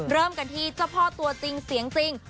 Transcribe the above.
เริ่มกันที่เจ้าพ่อตัวจริงเสียงจริง